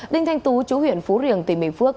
đinh thanh tú chú huyện phú riềng tỉnh bình phước